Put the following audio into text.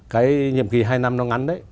cái nhiệm kỳ hai năm nó ngắn đấy